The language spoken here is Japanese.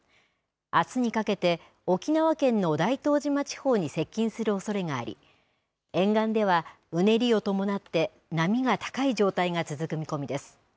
あすにかけて、沖縄県の大東島地方に接近するおそれがあり、沿岸ではうねりを伴って波が高い状態が続く見込みです。